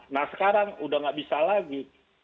nah sekarang udah gak bisa lagi